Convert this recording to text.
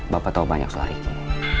bapak tau banyak soal riki